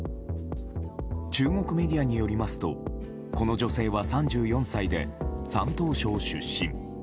中国メディアによりますとこの女性は３４歳で山東省出身。